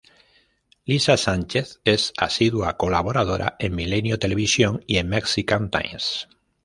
Lisa Sánchez es asidua colaboradora en Milenio Televisión y en Mexican Times.